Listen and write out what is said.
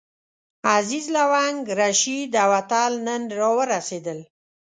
عزیز، لونګ، رشید او اتل نن راورسېدل.